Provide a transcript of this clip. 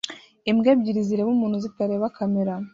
Imbwa ebyiri zireba umuntu zitareba kamera